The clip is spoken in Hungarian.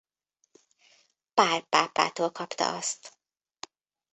Pál pápától kapta azt.